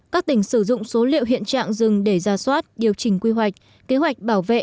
các tỉnh sử dụng số liệu hiện trạng rừng để ra soát điều chỉnh quy hoạch kế hoạch bảo vệ